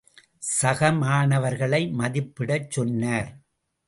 சக மாணவர்களை மதிப்பிடச் சொன்னார்.